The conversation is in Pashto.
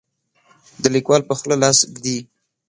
د لیکوال په خوله لاس ږدي.